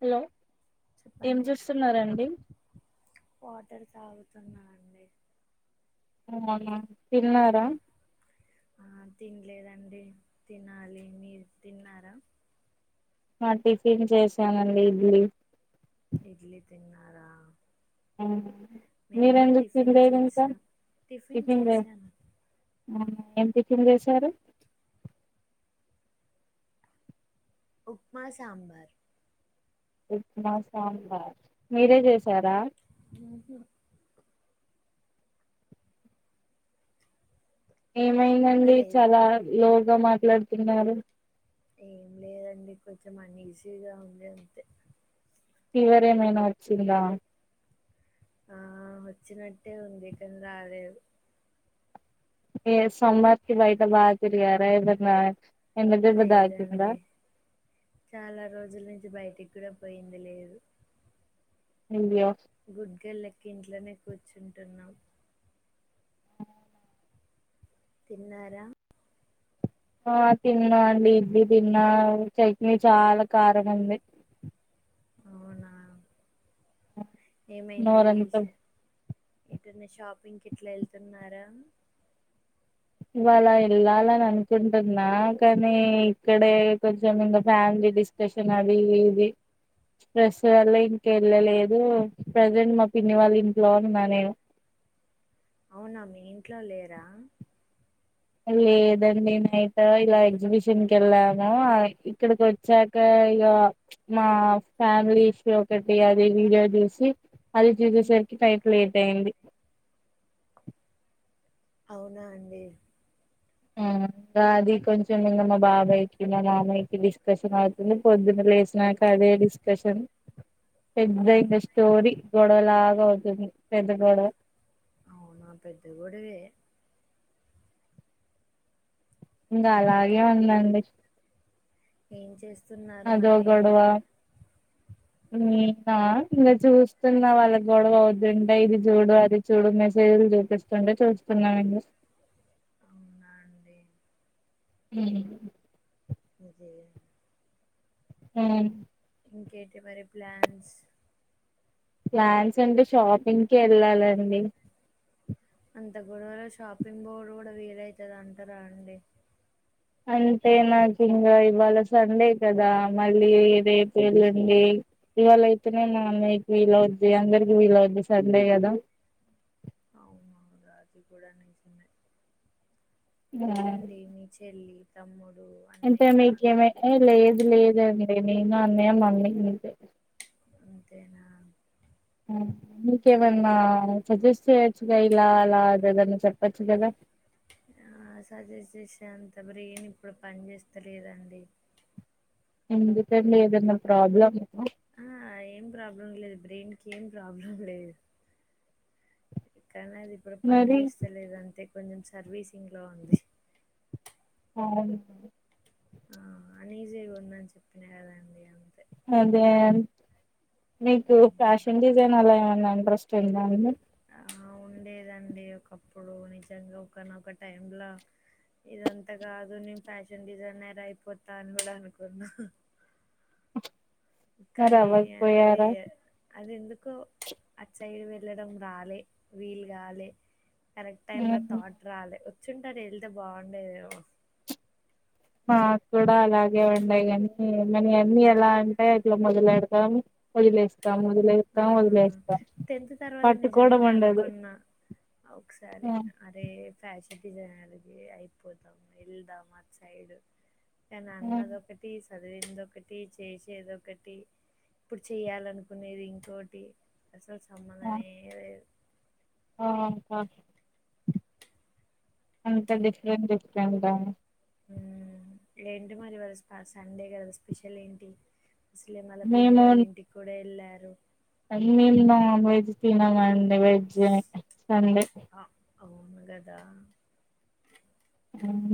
Hello ఏం చెప్పండి చూస్తున్నారండి వాటర్ తాగుతున్నా అండి ఓ అవునా తిన్నారా ఆ తినలేదండి తినాలి మీరు తిన్నారా ఆ టిఫిన్ చేసానండి ఇడ్లీ ఇడ్లీ తిన్నారా ఉమ్ మేము మీరు కూడా ఎందుకు టిఫిన్ తినలేదు ఇంకా చేసాం టిఫిన్ లే చేశాను ఆ ఏం టిఫిన్ చేసారు ఉప్మా సాంబార్ ఉప్మా సాంబార్ మీరే చేసారా ఉహు ఏమైందండి లేదు చాలా లోగ్ గా మాట్లాడుతున్నారు. ఏం లేదండి కొంచెం అని ఈజీగా ఉంది అంతె. ఫీవర్ ఏమైనా వచ్చిందా. ఆ వచ్చినట్టే ఉంది కని రాలేదు. ఏ సమ్మర్ కి బయిట బాతిరిగారా ఎవర్నా. లేదండి చాలా రోజులనుంచి బయటికి. ఎక్కడ పోయింది లేదు. ఇండియా. గుడ్డోలెక్క ఇంట్లోనే కూర్చుంటున్నా తిన్నారా. ఆ తిన్నా అండి ఇడ్లీ తిన్నా చట్నీ చాల కారం ఉంది. ఏమైందీ నోరంతా సి. ఎదైన షాపింగ్ కిట్లా ఎళ్తున్నారా. ఇవాళ ఎళ్ళాలని అనుకుంటున్నా కానీ ఇక్కడే కొంచెం ఇంక ఫ్యామిలీ డిస్కషన్ అది ఇది స్ట్రెస్ వల్ల ఇంక ఎళ్ళలేదు ప్రజెంట్ మా పిన్ని వాళ్ళ ఇంట్లో ఉన్నా నేను. అవున మీ ఇంట్లో లేరా. లేదండి నైట్ ఇలా ఎగ్జిబిషన్ కి వెళ్ళనా ఇక్కడికి వచ్చాక ఇక ప్చ్ మా ఫ్యామిలీ ఇష్యూ ఒకటి అది వీడియో చూసి. అది ఉమ్, చూసేసరికి టైం లేద్ తయాంది అవున అండి. ఆ అది కొంచెం ఇంకా మా బాబాయికి మా మామయ్యకి డిస్కషన్ అవుతుంది. పొద్దున లేసినాక అదే డిస్కషన్. ఉమ్, పెద్దఇంక స్టోరి. గొడవ లాగా అవుతుంది. పెద్ద గొడవ. అవునా పెద్ద గొడివే. ఇంగ అలాగే ఉందండి. ఏం చెస్ అదో గొడవా. నేనా ఇంకా చూస్తున్నా వాళ్ళ గొడవ అవుతుంటే ఇది చూడు, అది చూడు మెసేజ్‌లు చూపిస్తుంటే చూస్తున్నామండి. అవునా అండి. హ్మ్ ఇస్. హ్మ్ ఇంకేటి మరి ప్లాన్స్. ప్లాన్స్ అంటే షాపింగ్కి వెళ్ళాలండి. అంత గొడవలో షాపింగ్ బోర్డు కూడా వీలైతద అంటారా అండి. అంటే నాకు ఇంగా ఇవాళ సండే కదా మళ్ళీ రేపు ఎల్లుండి ఇవాళ అయితేనే మా అన్నయికి వీలవద్ది అందరికి వీలవద్ది సండే కద. అవునా అదా అది కూడ నిజమే. వెళ్ళండి మీ చెల్లి. తమ్ముడ్ అంటే మీకేమన్ ఎ లేదు లేదు అని అక్కడ నేను అన్నయ్య మమ్మీ ఇంతే ఇంతేనా మీకేమ్మన సజెస్ట్ చేయ్యొచ్చుగా ఇలా అలా అదిదన్నా చెప్పచ్చు కద. ఆ సజెస్ట్ చేసేంత బ్రెయిన్ ఇప్పుడు పని చేస్తలేదండి. ఎందుకండి ఏదన్న ప్రాబ్లమ్ ఆ ఏం ప్రాబ్లమ్ లేదు బ్రెయిన్ ఏం ప్రాబ్లమ్ లేదు కానీ అది ఇప్పుడు మరి పంచేస్తలేదంతే కొంచం సర్వీసింగ్లో ఉంది అవునా ఆ అనీజీగా ఉందని చెప్పిన కదండి అందుకు అదా అని మీకు ఫ్యాషన్ డిజైన్ అలా ఏమన్నా ట్రష్టు ఉందా అండి ఆ ఉండేదండి ఒకప్పుడు నిజంగా ఒకనొక టైంలో ఇదంతా కాదు నేను ఫ్యాషన్ డిజైనర్ అయిపోతా అని కూడా అనుకున్నా మరి కానీ అది అవ్వకపోయారా అది ఎందు ఎందుకో అటు సైడ్ వెళ్ళడం రాలే వీల్ కాలే కరెక్ట్ టైం లో ఆ మ్మ్. థాట్ రాలే కూర్చుంటారు ఎళ్తే బాగుండేమో మాకు కూడా అలాగే ఉండే కాని మనీ అన్నీ ఎలా అంటే ఇట్లా మొదలెడతాం వదిలేస్త దమ్ము మొదలె ఆ సతం వదిలేస్తాం టెన్త్ తర్వాత పట్టుకోవడం నిజంగానే ఉండదు అనుకున్నా ఆ, ఒకసారి అరే ఫ్యాషన్ ప్రతి జనాకి అయిపోదాం ఎల్దాం అ సైడ్ కానీ ఆ, అన్నదొకటి చదివిందొకటి చేసేదొకటి ఇప్పుడు చేయాలనుకునేది ఇంకోటి అసలు సంబంధమే లేదు ఆ హ అంత డిఫ్రెంట్ డిఫ్రెంటా ఏంటి మరి ఇవాళ స సండే కదా స్పెషల్ ఏంటి ఇసలే మళ్ళ పిన్ని వాళ్ళ ఇంటికి కూడా వెళ్ళార్ మోము నాజ్ వెజ్ తినమండి వెజ్ సండే అ అవును గదా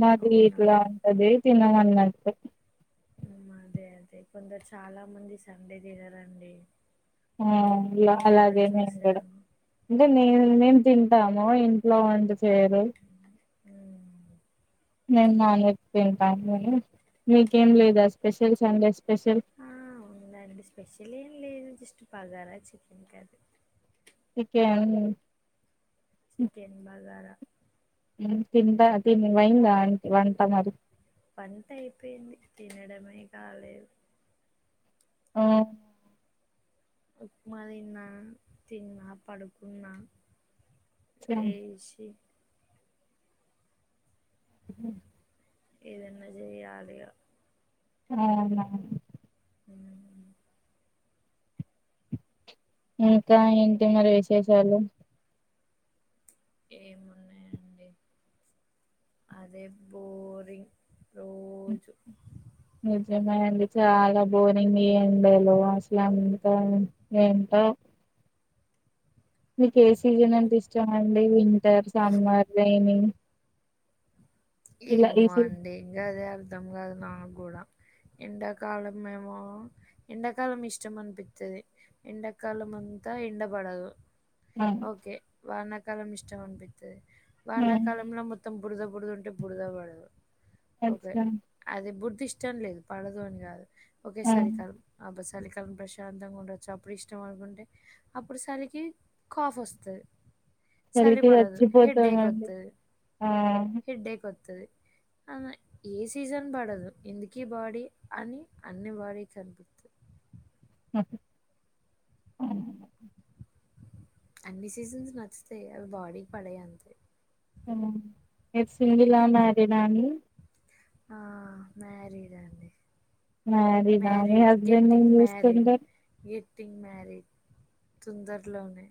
మది అవునా! ఇట్లా ఉంటది తిన వంద అంతే అదే అదే కొందరు చాలా మంది సండే తినారండి ఆ లో అలాగే నేను కూడా చూశాను. అంటే నేను మేం తింటాము ఇంట్లో పొండుకు సేరు హ్మ్. నేను నాన్ వెజ్ టింటాంటిని మీకేం లేదా స్పెషల్ సండేస్ ఆ వుందండి స్పెషల్ ఏం లేదు జస్ట్ బగారా చికెన్ కర్రీ అమ్ చికెన్ బగారా తింటా తి వైంద వంట మరి పంట అయిపోయింది తినడమే కాలేదు ఆమ్ ఉప్మా తిన్నా తిన్నా పడుకున్నా లేసి అమ్ ఏదన్నా చేయాలిగా ఆ మ్మ్ ఇంకా ఏంటి మరి విశేషాలు ఏమున్నాయంండి అదే బోరింగ్ రోజు నిజమే అడి చాలా బోరింగ్ ఎండలో అసలు అంత ఏంటో ఏ సీజన్ అంత ఇష్టమ అండి వింటర్ సమ్మర్ రైనీ ఇలా ఈ ఏమో సీ అండి అదే అర్ధం కాదు నా కూడా ఎండాకాలం మేమో ఎండాకాలం ఇష్టం అనిపిస్తది ఎండాకాలం అంతా ఎండ పడదు ఆ ఓకే వన కాలం ఇష్టం అనిపిత్తది ఆ వానాకాలంలో మొత్తం బురద బురద ఉంటే బురద పడదు ఓకే అచ్చా అది బుడ్ ఇష్టం లేదు పడదు అని కాదు ఓకే ఆ సర తను ఆ బస్ చలికాల ప్రశాంతంగా ఉండొచ్చు అప్పుడు ఇష్టం అనుకుంటే అప్పుడు చలికి కాఫ్ వస్తది చలి చలికి పడదు హెడేక్ చచ్చిపోతామండి ఆ అ ఏ సీజన్ పడదు ఎందుక బాడీ అని అన్ని బాడీ కనిపిస్తది మ్మ్ హ్మ్ అన్ని సీజన్స్ నచ్చుతాయి అవి బాడీకి పడాయి అంతే మ్మ్ మీరు సింగిల్ ఆ మ్యారీడ్ ఆ అండి ఆ మ్యారిడ్ అండి మ్యారిడ్ మీ మ్యారీడ్ హస్బెండ్ ఏం గెట్టింగ్ మ్యారీడ్ చేస్తుంటాడు గెట్టింగ్ మ్యారెడ్ తొందరలోనే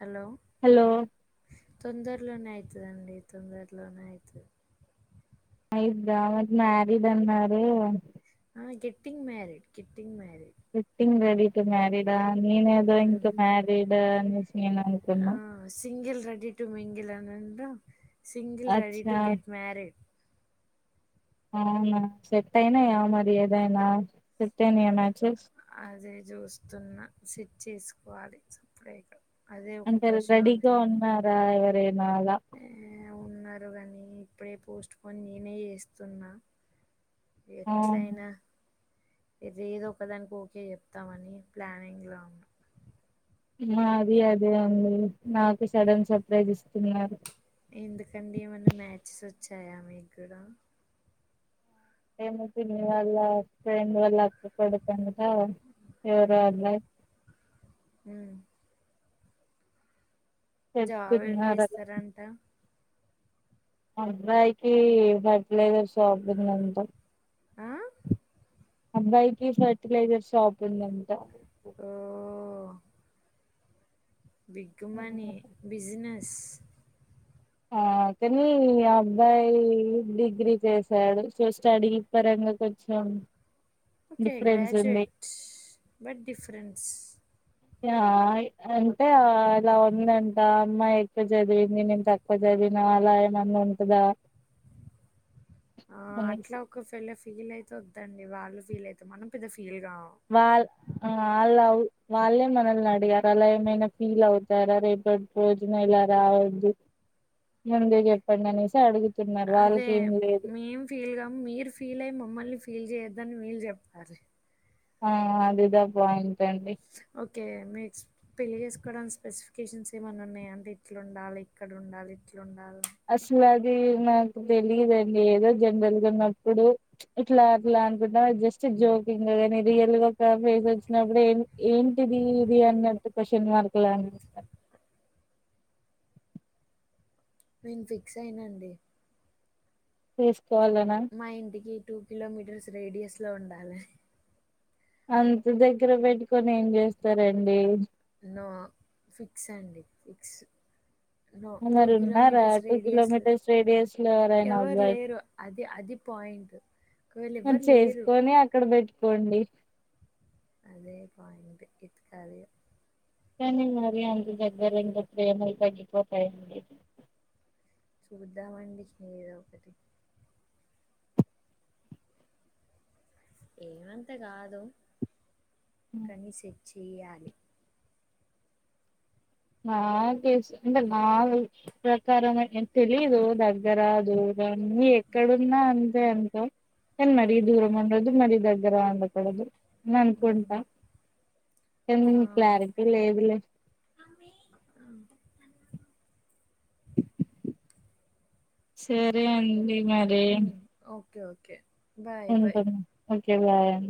హలో హలో తొందరలోనే అయితదండి తొందరలోనే అయితది అయి బావా కి మ్యారీడ్ అన్నారు getting married, getting married getting మ గెట్టింగ్ మ్యారీడ్ ఆ నేను ఏదో హ్మ్ ఇంట్లో మ్యారీడ్ [unintelligible] ఆ సింగిల్ రెడి టు మింగిల్ అనంత సింగిల్ రెడి అచ్చా టు గెట్ మ్యారీడ్ అవునా చెట్టు అయినా యా మరి ఏది అయినా అదే చూస్తున్న సిట్ చేసు పోవాలి సపరేటు అంటే రెడీగ ఉన్నారా ఎవరైనా అల ఏ ఉన్నారు కాని ఇప్పుడే పోస్ట్ పోన్ నేనే చేస్తున్న అవును ఎట్లయిన ఇది ఏదో ఒకదానికి ఒకే చెప్తామని ప్లానింగ్ లో ఉన్నా. మా అది అదే ఉంది నాకు సడన్ సర్ప్రైజ్ ఇస్తున్నారు. ఎందుకండి ఏమన్నా మ్యాచెస్ వచ్చాయా మీకు కూడ? హేమ ఫ్రెండ్ వాళ్ళ క కొడుకంట ఎవరో ఉమ్, అబ్బాయి ఉమ్. జాబ్ ఏం చెప్తున్నారు అలా చేస్తారంట అబ్బాయికి ఫర్టిలైజర్ షాప్ ఉందంట ఆ? అబ్బాయికి ఫర్టిలైజర్ షాప్ ఉందంట ఓ బిగ్ మనీ బిజినెస్ ఆ కాని అబ్బాయి డిగ్రీ చేశాడు సో స్టడీ పరంగ కొంచెం ఒకే డిఫరెన్స్ ఉంది గ్రాడ్యుయేట్స్ బట్ డిఫరెన్స్ ఆ అంటే అలా ఉందంట అమ్మాయి ఎక్కువ చదివింది నేను తక్కువ చదివిన అలా ఏమన్న ఉంటద ఆ అట్లా ఒక ఫైలో ఫీల్ అయి ఒద్దండి వాళ్ళు ఫీల్ అయితే మనం పెద్ద ఎ గా వాళ్ళ ఆ వాళ్ళ వాళ్ళే మనల్ని అడిగారు అలా ఏమైనా ఫీల్ అవుతారా రేపటి రోజున ఇలా రావద్దు ముందే చెప్పండి అనేసి అడుగు అదే మేం ఫీల్ కాం మీరు ఫీల్ అయ్య మమ్మల్ని ఫీల్ చేయొద్దు అని విల్ చెప్తారు. ఆ అదిద పాయింట్ అండి ఒకే మీస్ పెళ్లి చేసుకోవడానికి స్పెసిఫికేషన్స్ ఏమన్న ఉన్నాయా అండి ఇట్ల ఉండాలి ఇక్కడ ఉండాలి ఇట్ల ఉండాలి ది నాకు తెలిదండి ఏదో జనరల్ గా ఉన్నప్పుడు ఇట్లా అట్లా అనుకుంటా జస్ట్ జోకింగ్ కాని రియల్ గా ఒక ఫేస్ వచ్చినప్పుడు ఏం ఏంటిది ఇది అన్నట్టు క్వశ్చన్ మార్క్ లా నేను ఫిక్స్ అయినండి చెస్ మా ఇంటికి టూ కిలోమీటర్స్ రేడియస్ లో ఉండలి అంత దగ్గర పెట్టుకొని ఏం చేస్తారండి నో ఫిక్స్ అండి ఫిక్స్ నో. మరి ఉన్నారా కిలోమీటర్స్ టూ రేడియస్‌లో కిలోమీటర్స్ రేడియస్ లో ఎవరైనా ఎవరు అబ్బాయ్ లేరు. అది అది పాయింట్. ఒకవేళ మరి ఎవ్వరు లేరు చేసుకొనే అక్కడ పెట్టుకోండి అదే పోయింట్ ఇట్ కదే కానీ మరి అంత దగ్గర ఉంటే ప్రేమలు తగ్గిపోతాయ్ అండి చూద్దామండి ఏదో ఒకటి ఏమంతా కాదు కనిసి చేయాలి నా తెసు అంటే నా ప్రకారం తెలీదు దగ్గర దూరన్ని ఎక్కడున్నా అంతే అంత కానీ మరి ఉమ్, దూరం ఉండోద్దు మరి దగ్ గర ఉండకూడదు అని ఉమ్, అనుకుంటా ఎ ఆ, క్లారిటీ లేదు లే ఆ సరే అండి మరి హ్మ్ okay okay bye bye కెలా యన్